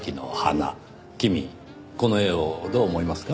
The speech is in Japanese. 君この絵をどう思いますか？